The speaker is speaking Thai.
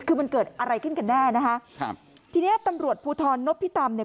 คือมันเกิดอะไรขึ้นกันแน่นะฮะทีนี้ตำรวจภูทรนบพิตำ